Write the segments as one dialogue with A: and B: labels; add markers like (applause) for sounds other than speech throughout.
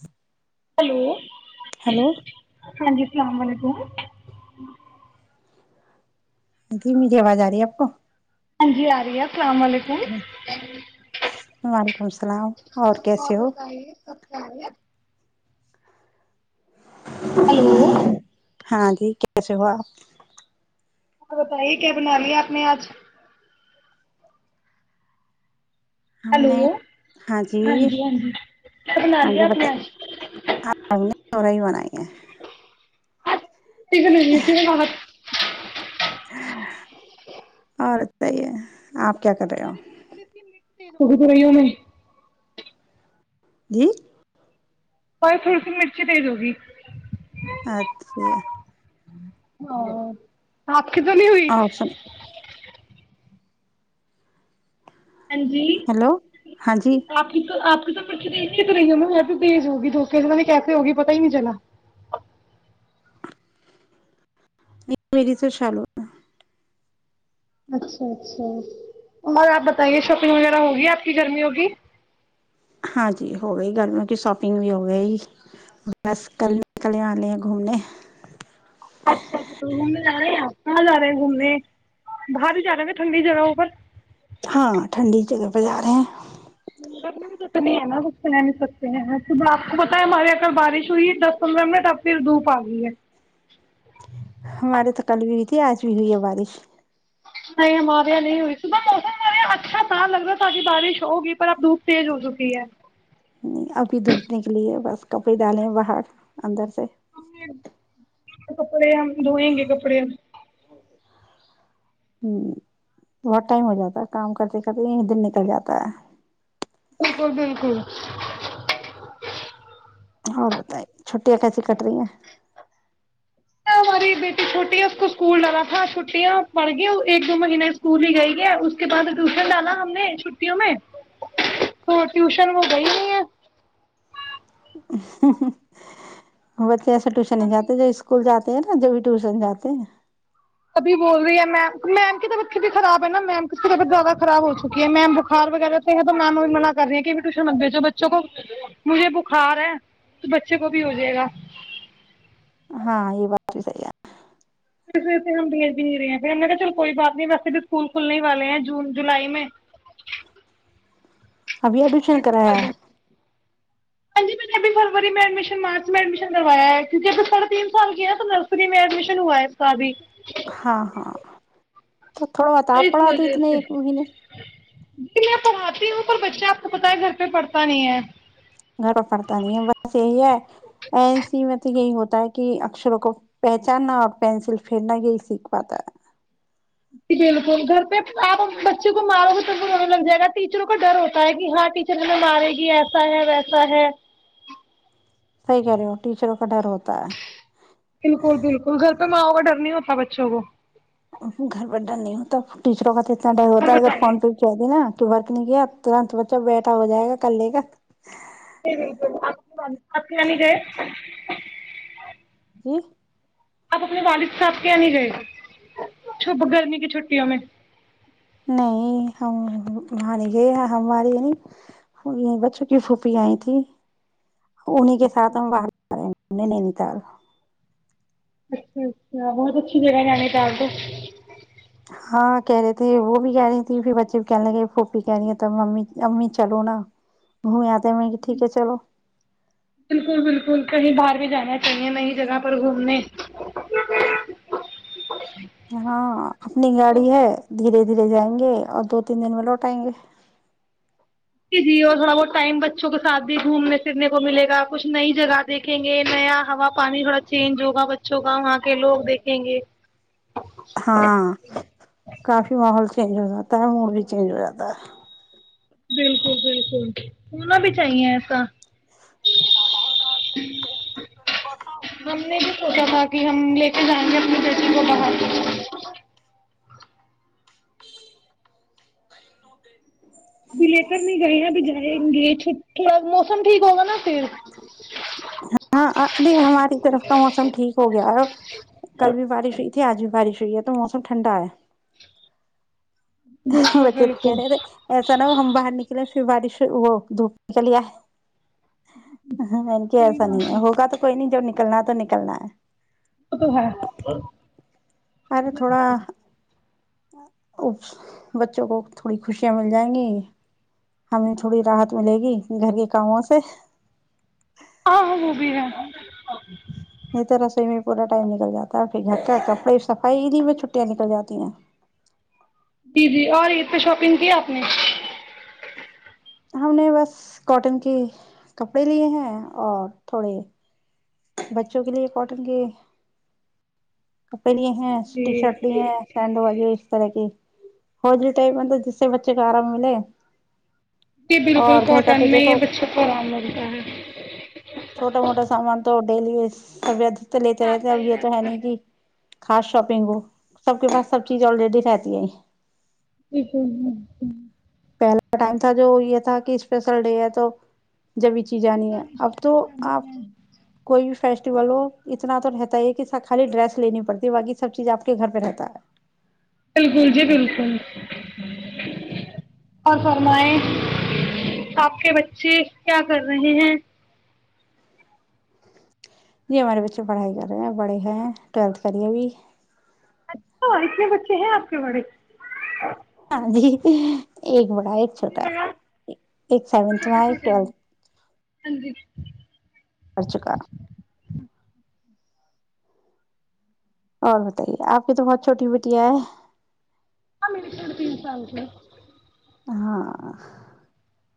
A: ہ (inaudible)
B: ہلو ہاں جی اللام علیکم
A: تھی مجھے آواز آ رہی ہے آپ کو
B: ہاں جی آ رہی ہے السلام علیکم
A: خوش سل اور کیسے ہو
B: کیاار (unintelligible) ہلو
A: ہاں جی کیسے ہوا آپ
B: ہاں بتائیے کیا بنا رہی ہے آپ نے آج
A: ہم
B: ہلو
A: نے ہاں جی
B: کیا بنا
A: ہاں
B: لیا
A: جی
B: آپ نے
A: بتا
B: آج
A: آپ ہم نے سور ہی بنائی ہے
B: ا تیک نہیں ت میں بت
A: اور صحی ہے آپ (unintelligible)
B: ہماری تو تھوڑی سی توڑ تو رہی ہ میں
A: جی
B: اور تھوڑی سی مرچی دے د گی
A: اچھا
B: ہ آ ک تو نہیں ہوئی
A: اور سن
B: ہاں جی
A: ہیلو ہاں جی
B: آپ کی تو آپ چے تو رہی ہ نا میں تو تز ہوگی دھوکے سے نے کیسے ہوگی پتا ہی نہیں چلا
A: مریس سالو
B: اچھا اچھا مگر آپ بتائیے شاپنگ وغیرہ ہوگی آپ کی جرمی ہوگی
A: ہاں جی ہو گئی گھرمیوں کی شاپنگ بھی ہو گئی بس کل کل آ ل ہیں گھومنے
B: اچ گومنے جا رہے ہیں کہاں جا رہے ہیں گھومنے باہر بھی جا رہے ہیں ٹھنڈی جگہوں پر
A: ہاں ٹھنڈی جگہ پہ جا رہے ہیں
B: کتنی ہے نا کچھ کہہ نہیں سکتے ہیں ص آپ کو پتا ہے ہمارے یہل بارش ہوئی ہے دس پندرہ منٹ اب پھر دھوپ آ گئی ہے
A: ہمارے تو کل بھی آج بھی ہوئی ہے بارش
B: نہیں ہمارے یہاں نہیں ہوئی صبح موسم ہمارے یہاں اچھا تھا لگ رہا تھا کہ بارش ہوگی پر اب دھوپ تیز ہو چکی ہے
A: ابھی دھوپنے کے لیے بس کپڑے ڈالیں باہر اندر سے
B: ہم کپڑے ہم دھوئیں گے کپڑے
A: ہممم بہت ٹائم ہو جاتا ہے کام کرتے کرتے یہیں دن نکل جاتا ہے
B: بالکل بالکل
A: اور بتائی چھٹیاں کیسی کٹ رہی ہیں
B: ہماری بیٹی چھوٹی ہے اس کو اسکول ڈالا تھا چھٹیاں پڑ گئی ایک دو مہینے اسکول ہی گئی ہے اس کے بعد ٹیوشن ڈالا ہم نے چھٹیوں میں تو ٹیوشن وہ گئی نہیں ہے
A: ہمہمہہم بتائے ایسے ٹیوشن نہیں جاتے جو اسکول جاتے نا جواب بھی ٹیوشن جاتے ہیں
B: ابھی بول رہی ہے میم میم کی طبیعت کبھی خراب ہے نا میم کی طبیعت زیادہ خراب ہو چکی ہے میم بخار وغیرہ سے ہے تو میم بھی منع کر رہی کہ ٹیوشن من بھیجو بچوں کو مجھے بخار ہے تو بچے کو بھی ہو جائے گا
A: ہاں یہ بات بھی صحیح ہے
B: ہم بھیج بھی نہیں رہے ہیں پھر ہم نے کہا چل کوئی بات نہیں ویسے بھی اسکول کھلنے والے ہیں جون جولائی میں
A: ابھی ایڈمیشن کرایا ہے
B: ہاں جی میں نے ابھی فروری میں ایڈمیشن مارچ میں ایڈمیشن کروایا ہے کیوکہ ابھی ساڑھے تین سال کیا ہے تو نرسری میں ایڈمیشن ہوا ہے اس کا ابھی
A: ہاں ہاں تو تھوڑا بتا پڑا دو اتنے ایک مہینے
B: جی میں پڑھاتی ہوں پر بچہ آپ کو پتا ہے گھر پہ پڑھتا نہیں ہے
A: گھر پہ پڑتا نہیں ہے بس یہی ہے ایسی میںت یہی ہوتا ہے کہ اکشروں کو پہچاننا اور پینسل پھیرنا یہی سیکھ پاتا ہے
B: جی بالکل گھر پہ آپ بچوں کو مارو تو تو میں لگ جائے گا ٹیچروں کو ڈر ہوتا ہے کہ ہاں ٹیچر لیں مارے گی ایسا ہے ویسا ہے
A: صحیح کہہ رہے ہو ٹیچروں کا ڈر ہوتا ہے
B: بالکل بالکل گھر پہ ماں کا ڈر نہیں ہوتا بچوں کو
A: گھر بڈا نہیں ہوتا ٹیچروں کا تو
B: اور
A: ہوتا اگر
B: بتائیے
A: فون پے کہ دیا نا تو فرق نہیں کیا ترنت بچہ بیٹھا ہو جائے گا کل لے کا
B: جی بالکل آپ کی آپ کیانی گئے
A: جی
B: آپ اپنے والد صاحب کے آ نہیں گئے چپ گرمی کی چھٹیوں میں
A: نہیں ہم وہاں نہیں گئے ہمارے یہاں یہی بچوں کی پھپی آئی تھی انہیں کے ساتھ ہم باہر نینتال
B: اچھا اچھا بہت اچھی جگہ ہے نینیتال تو
A: ہاں کہہ رہے تھے وہ بھی کہہ رہی تھی پھر بچے بھی کہنے لے پھوپی کہہ رہی ہیں تب ممی امی چلو نہ گھومے آتے میں ٹھیک ہے چلو
B: بالکل بالکل کہیں باہر بھی جانا چاہیے نئی جگہ پر گھومنے
A: ہاں اپنی گاڑی ہے دھیرے دھیرے جائیں گے اور دو تین دن میں لوٹ آئیں گے
B: جی جی اور تھوڑا بہت ٹائم بچوں کے ساتھ بھی گھومنے پھرنے کو ملے گا کچھ نئی جگہ دیکھیں گے نیا ہوا پانی تھوڑا چینج ہوگا بچوں کا وہاں کے لوگ دیکھیں گے
A: ہاں کافی ماحول چینج ہو جاتا ہے موڈ بھی چینج ہو جاتا ہے
B: بالکل بالکل ہونا بھی چاہیے ایسا ہم نے بھی سوچا تھا کہ ہم لے کے جائیں گے اپنی وہ باہر ابھی لے کر نہیں گئے ہیں ابھی جائ گے چ تھوڑا موسم ٹھیک ہوگا نا پھر
A: ہاں ارے ہماری طرف کا موسم ٹھیک ہو گیا کل بھی بارش ہوئی تھی آج بھی بارش (unintelligible)
B: بالکل
A: بچے تو کہہ
B: بالکل
A: رہے تھے ایسا نہ ہو ہم باہر نکلے پھر بارش پھر وہ دھوپ نکل لیا ہے (unintelligible) نکلنا تو نکلنا ہے
B: وہ تو ہے
A: او بچوں کو تھوڑی خوشیاں مل جائیں گی ہمیں تھوڑی راحت ملے گی گھر کے کاموں سے
B: ہاں ہاں وہ بھی ہے
A: نہیں تو رسوئی میں پورا ٹائم نکل جاتا ہے پھر گھر کا کپڑے صفائی انہیں میں چھٹیاں نکل جاتی ہیں
B: جی جی اور عید پہ شاپنگ کی آپ نے؟
A: ہم نے بس کاٹن کے کپڑے لیے ہیں اور تھوڑے بچوں کے لیے کاٹن کے کپڑے لیے ہیں
B: جی
A: ٹی شرٹ لیے ہیں سینڈ بجو اس طرح کی (unintelligible)
B: جی بالکل
A: اور گھر کا
B: کاٹن
A: تو
B: میں یہ
A: دیکھو
B: بچوں کو آرام لگتا ہے
A: چھوٹا موٹا (unintelligible) تو لیتے رہتے ہیں اب یہ تو ہے نہیں کہ خاص شاپنگ ہو سب کے پاس سب چیزے آلریڈی رہتی ہے
B: ہ ہ ہ ہ
A: پہلا ٹائم تھا جو یہ تھا کہ اسپیشل ڈے ہے تو جب جانی ہے اب تو آپ کوئی بھی فیسٹیول ہو اتنا تو رہتا ہی ہے کہ س خالی ڈریس لینی پڑتی ہے باقی سب چیز آپ کے گھر پہ رہتا ہے
B: بالکل جی بالکل اور فرمائےآپ کے بچے کیا کر رہے ہیں
A: جی ہمارے بچے پڑھائی کر رہے ہیں بڑے ہیں ٹویلتھ کری ابھی
B: اچھا اتنے بچے ہیں آپ کے بڑے
A: ہاں جی ایک بار ایک چھوٹا
B: ہاں
A: ہے ایک سیونتھ میں ایک ٹویلتھ
B: ہاں جی
A: ارچیکا اور بتائیے آپ کی تو بہت چھوٹی بیٹیاں ہیں
B: ہاں میرے صرف تین سال کے
A: ہاں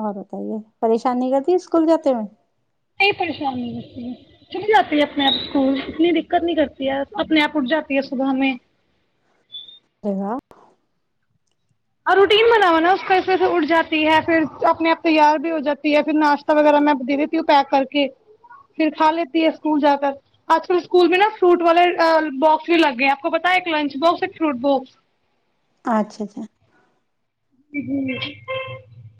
A: اور بتائیے پریشانی کیا تھی اسکول جاتے میں
B: یہئی پریشان نہیں ہوتی چل جاتی ہے اپنے آپ اسکول اتنی دقت نہیں کرتی ہے اپنے آپ اٹھ جاتی ہے صبح میں
A: ے گا (unintelligible)
B: اور روٹین بنا ہوا نا اس کیسے سے اٹھ جاتی ہے پھر اپنے آپ تیار بھی ہو جاتی ہے پھر ناشتہ وغیرہ میں دے دیتی ہوں پیک کر کے پھر کھا لیتی ہے اسکول جا کر آج کل اسکول میں نا فروٹ والے باکس بھی لگ گئے ہیں آپ کو پتا ہے ایک لنچ باکس ایک فروٹ بس
A: اچھا اچھا
B: ج ہ ج (unintelligible)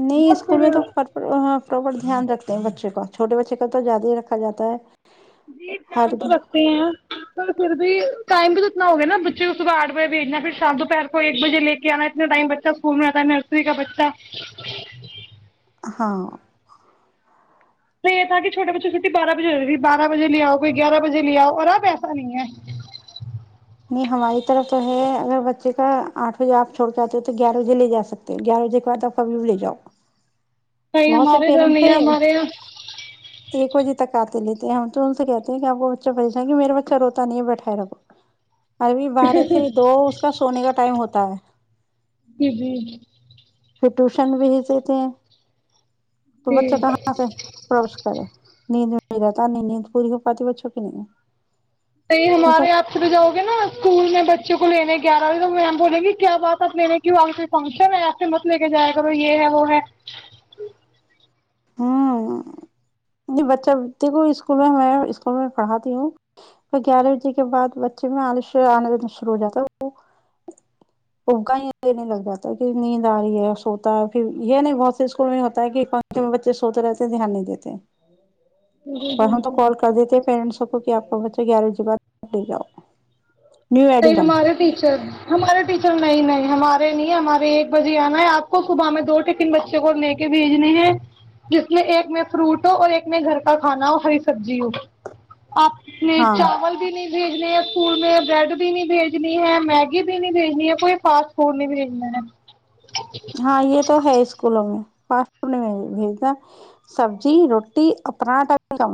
A: نہیں اسکول میں تو ہ فاپر دھیان رکھتے ہیں بچے کا چھوٹے بچے کا تو زیادہ ہی رکھا جا ہے
B: جی
A: ہر
B: دھیان تو
A: دن۔
B: رکھتے ہیں پھر بھی ٹائم تو اتنا ہوگیا نا بچے کو صبح آٹھ بجے بھیجنا ہے پھر شام دوپہر کو ایک بجے لے کے آنا اتنا ٹائم بچہ اسکول میں آتا ہے نرسری کا بچہ
A: ہاں (unintelligible)
B: تو یہ تھا کہ چھوٹے بچے چھٹی بارہ بجے ہو ج تی بارہ بجے لے آؤ کوئی گیارہ بجے لے آؤ اور پیسا نہیں ہے
A: نہیں ہماری طرف تو ہے اگر بچے کا آٹھ بجے آپ چھوڑ جتے ہو تو گیارہ بجے لے جا سکتے ہو گیارہ بجے کے بعد آپ ابھی بھی لے جاؤ
B: کہیں
A: بہت سے
B: ہمارے دھر
A: پیرنٹس
B: نہیں ہے
A: ہیں
B: ہمارے یہاں
A: ایک بجے تک آتے لیتے ہیں ہم تو ان سے کہتے ہیں کہ آپ کو بچہ پریشان کہ میرا بچہ روتا نہیں ہے بیٹھائے رو اربھی بارہ سے دو اس کا سونے کا ٹائم ہوتا ہے
B: جی جی
A: پھر ٹیوشن بھی ہیچتے ہیں تو بچہ
B: جی
A: کہاں سے پروش نیند یر تار نہیں نیند پوری ہوگ پات بچ چھ کی نہیںے
B: ہمارے آپ پ تو جاؤ گے نا اسکول میں بچوں کو کو لینے گیارہ بجے تو مم بولیں گی کیا بات آپ لینے کی آ کوئی فنکشن ہے آیاپ سے مت لے کے جائےا یہ ہے وہ ہے
A: ہ نہیں بچہ دیکھو اسکول میں میں اسکول میں پڑھاتی ہوں پ گیارہ بجے کے بعد بچے میں آلش آنا دا شروع ہو جاتا وہ ابگا دینے لگ جاتا ہے کہ نیند آ رہی ہے سوتا ہے پھر یہ نہیں بہت سے اسکول میں ہوتا ہے کہ میں بچے سوتے رہتے ہیں دھیان نہیں دیتے پر ہ تو کال کر دیتے پیرنٹس کیکہ آپ کو بچا گیارہ بجی بات لے جاؤ نیو
B: نہیں
A: ایڈمیشن
B: ہمارے ٹیچر ہمارے ٹیچر نہیں نہیں ہمارے نہیں ہمارے ایک بجے آنا ہے آپ کو صبح میں دو ٹکن بچے کو لے کے بھیجنے ہے جس میں ایک میں فروٹ ہو اور ایک میں گھر کا کھانا ہو ہری سبزی ہو آپ نے
A: ہاں
B: چاول بھی نہیں بزنس (unintelligible) اسکول میں بریڈ بھی نہیں بھیجنی ہے میگی بھی نہیں بھیجنی ہے کوئی فاسٹ فوڈ نہیں بھیجنا ہے
A: ہاں یہ تو ہے اسکولوں میں فاسٹ فوڈ بھیج د سبزی روٹی اورنااٹا بھی کم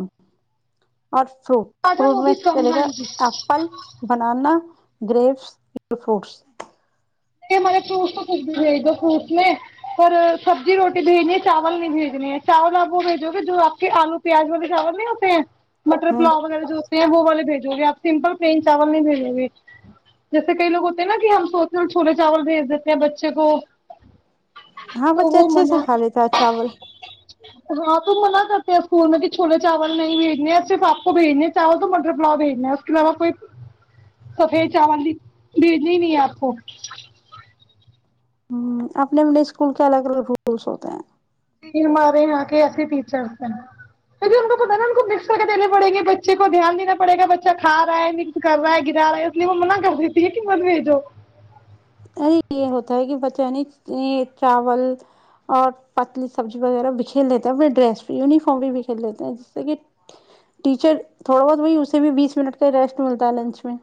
A: اور فروٹ
B: اچھا
A: فروٹ
B: وہ بھی
A: میں
B: کم
A: کرلے
B: ہاں
A: گا
B: جی
A: ایپل بنانا گریپس فروٹس
B: مارے فروٹ تو کچھ بھی بھیج دو فروٹ میں پر سبزی روٹی بھیجنی ہے چاول نہیں بھیجنے ہے چاول آپ وہ بھیجو گے جو آپ کے آلو پیاز ویرے چاول نہیں ہوتے ہیں مٹر
A: ہاں
B: پلاؤ وغیرہ جو ہوتے ہیں وہ والے بھیٹ آپ سمپل پلین چاول نہیں بھیج گے جیسے کئی لو ہوتے نا کہ ہم سوچ چھولے چاول بھیج دیتے ہیں بچے کو
A: ہاں
B: تو
A: بچے
B: وہ
A: اچھے سے
B: منع
A: کھا لیتا چاول
B: ہاں تو منع کرتے ہیں اسکول میں کہ چھولے چاول نہیں بھیجنے صرف آپ کو بھیجنے ہے چاول تو مٹر پلاؤ بھیجنا ہے اس کے علاوہ کوئی سفید چاول بھی بھیجنے ہی نہیں ہے آپ کو
A: اپنے اپنے اسکول کے الگ الگ رولس ہوتے ہیں
B: جی ہمارے یہاں کے ایسے ٹیچرس ہیں پھر ان کو پتا نا ان کو مکس کر کے دینے پڑیں گے بچے کو دھیان دینا پڑے گا بچہ کھ رہا ہے مکس کر رہا ہے گرا رہا ہے اس لیے وہ منع کر دیتی ہے کہ من بھیجو
A: ارے یہ ہوتا ہے کہ بچہ ن چاول اور پتلی سبزی وغیرہ بکھیر لیتا ہے اپنے ڈریس یونیفارم بھی بکھیر لیتے ہیں جس سے کہ ٹیچر تھوڑا بہت وہی اسے بھی بیس منٹ کا ریسٹ ملتا ہے لنچ میں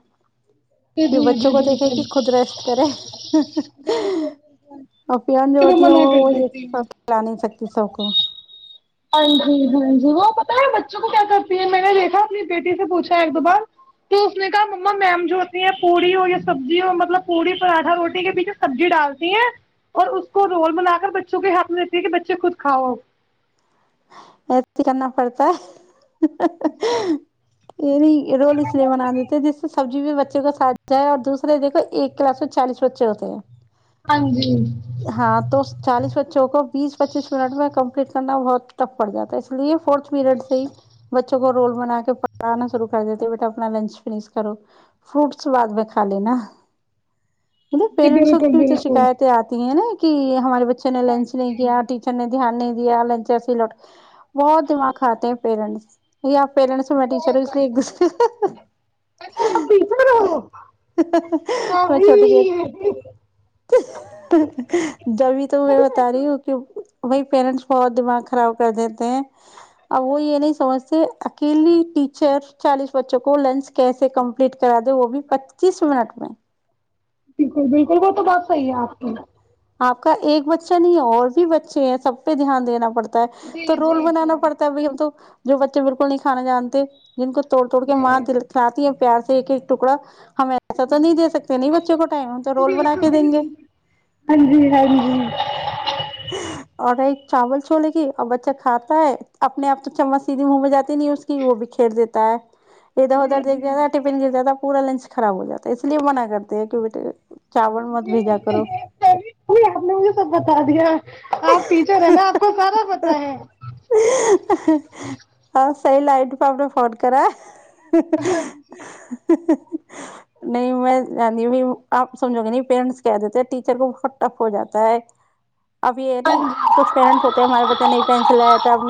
B: جی
A: پھر
B: جی
A: بچوں کو دیکھے کہ خود رست اور پان جو
B: بالکل
A: ہوتی ہے
B: منع
A: وہ
B: کر دیتی ہے
A: وہیے سکتی سو کو
B: ہاں جی ہاں جی وہ پتا ہے بچوں کو کیا کرتی ہے میں نے دیکھا اپنی بیٹی سے پوچھا ایک دو بار تو اس نے کہا ما میم جو ہوتی ہے پوڑی ہو یا سبزی ہو مطلب پوڑی پراٹھا روٹی کے بیچ سبزی ڈالتی ہے اور اس کو رول بنا کر بچوں کے ہاتھ میں دیتی ہے کہ بچے خود کھاؤ
A: کرنا پڑتا ہے یہ نہیں روول اس لیے بنا دیتے جس سبزی بچے کو سھا ہے اور دوسرے دیکو ایک کلاس میں چالیس بچے ہوتے ہیں
B: ہاں جی
A: ہاں تو چالیس بچوں کو بیس پچیس منٹ میں کم پ کرنا بہت پڑ جاتا ہے اس لیے فورتھ پیریڈ سے ہی بچوں کو رول بنا کے پڑھانا شروع کر دیتے بیٹا اپنا لنچ فش کرو فروٹس بعد میں کھا لےینا مطلب
B: جی
A: پیرنٹسوں کی
B: بالکل
A: بھی تو
B: بالکل
A: شکایتیں آتی ہیں نا ہمارے بچے چ نے لنچ نہیں کیا ٹیچر نے دھیانانی نہیں دیا لنچ لٹ بہت دماغ کھاتے ہیں پیرنٹس یا پیرنٹس میں ٹیچر ہوں اس لیے ایکسرے
B: اچھا آپ ٹیچر ہو
A: میں چھوٹ گ
B: کبھی
A: جبھی تو میں بتا رہی ہوں کہ بائی پیرنٹس بہت دماغ خراب کر دیتے ہیں اب وہ یہ نہیں سمجھتے اکیلی ٹیچر چالیس بچوں کو لنچ کیسے کمپلیٹ کرا دے وہ بھی پچیس منٹ میں
B: بالکل بالکل وہ تو بات صحیح ہے آپ کی
A: آپ کا ایک بچہ نہیں ہے اور بھی بچے ہیں سب پہ دھیان دینا پڑتا تو رول بنانا پڑتا ہے بائی ہم تو جو بچے بالکل نہیں کانے جانتے جن کو توڑ توڑ کے ماں دلکھاتی ہے پیار سے ایک ایک ٹکڑا ہم ایسا تو نہیں دے سکتے نہیں بچوں کو ٹائم ہو تو رول بنا کے دیں گے
B: ہاں جی ہاں جی
A: اور ایک چاول چھوولے کی اور بچہ کھاتا ہے اپنے آپ تو چمچ سیدھی منہ میں جاتی نہیں اس کی وہ بھی کھیر دیتا ہے ادھر ادھر دیک رہا تھا ٹفن گر جاتا پورا لنچ خراب ہو جاتا ہے اس لیے منع کرتے ہیں کہ بیٹے چاول مت بجا کرو
B: جی آپ نے مجھے سب بتا دیا آپ ٹیچر ہیں نا آپ کو سارا پتا ہے
A: سی لائٹ پ آپڑ فڈ کرا (inaudible) نہیں میں جانتی ہ آپ سمجھو گے نہیں پیرنٹس کہ دیتے ہیں ٹیچر کو بہت ٹف ہو جاتا ہے اب یہ نی کچھ پییرنٹس ہوتے ہیں ہمارے پ نہیں پینسل آیا تھا اب